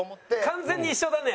完全に一緒だね。